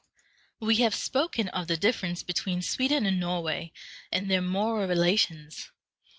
We have spoken of the difference between Sweden and Norway in their moral relations.